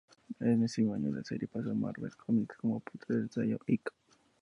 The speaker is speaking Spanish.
Ese mismo año, la serie pasó a Marvel Comics como parte del sello Icon.